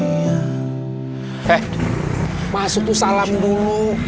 eh masuk tuh salam dulu